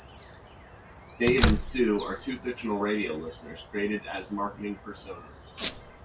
Dave and Sue are two fictional radio listeners created as marketing personas.